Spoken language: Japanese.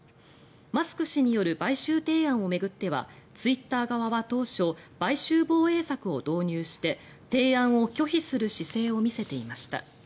マスク氏による買収提案を巡ってはツイッター側は当初買収防衛策を導入して提案を拒否する姿勢を見せていました。